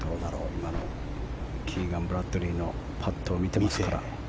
今のキーガン・ブラッドリーのパットを見てますから。